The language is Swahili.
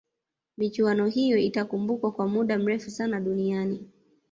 michuano hiyo itakumbukwa kwa muda mrefu sana duniani